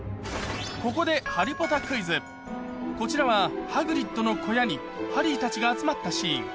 ここでこちらはハグリッドの小屋にハリーたちが集まったシーン